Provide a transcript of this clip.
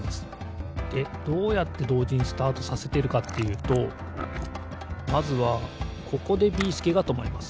でどうやってどうじにスタートさせてるかっていうとまずはここでビーすけがとまります。